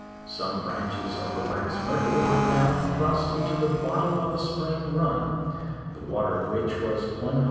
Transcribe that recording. Some branches of the wax myrtle were found thrust into the bottom of a spring run, the water of which was 130.